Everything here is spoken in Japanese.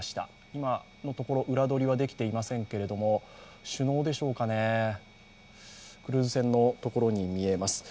今のところ、裏取りはできていませんけれども、首脳でしょうかね、クルーズ船のところに見えます。